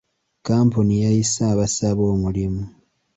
Kkampuni yayise abasaba omulimu.